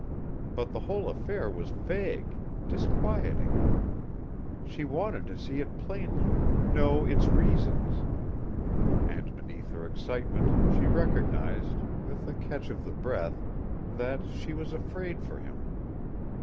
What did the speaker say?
But the whole affair was vague, disquieting. She wanted to see it plainly, know its reasons. And beneath her excitement she recognized, with a catch of the breath, that she was afraid for him.